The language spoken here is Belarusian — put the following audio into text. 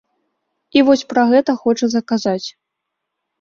І вось пра гэта хочацца казаць.